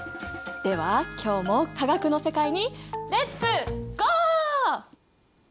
では今日も化学の世界にレッツゴー！